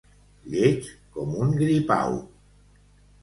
Lleig com un gripau.